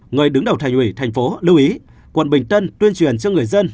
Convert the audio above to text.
người đứng đầu thành ủy tp hcm lưu ý quận bình tân tuyên truyền cho người dân